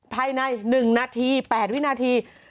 ภายใน๑นาที๘วินาที